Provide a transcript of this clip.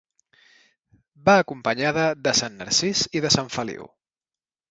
Va acompanyada de sant Narcís i de sant Feliu.